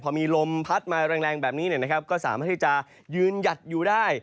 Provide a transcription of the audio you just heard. พอมีลมพัดมาแรงแบบนี้ก็สามารถที่จะยืนหยัดอยู่ได้